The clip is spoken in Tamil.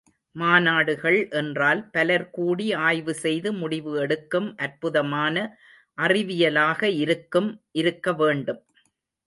மாநாடுகள் என்றால் பலர் கூடி ஆய்வு செய்து முடிவு எடுக்கும் அற்புதமான அறிவியலாக இருக்கும் இருக்க வேண்டும்.